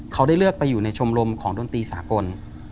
เขาได้เลือกไปอยู่ในชมรมของดนตรีสากล